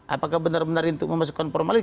apakah benar benar untuk memasukkan formalin